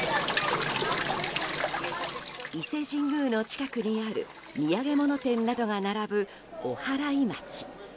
伊勢神宮の近くにある土産物店などが並ぶおはらい町。